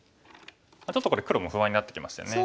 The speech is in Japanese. ちょっとこれ黒も不安になってきましたよね。